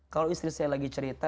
kalau istri saya lagi cerita